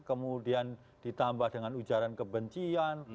kemudian ditambah dengan ujaran kebencian